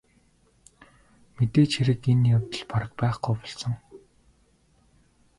Мэдээж хэрэг энэ явдал бараг байхгүй болсон.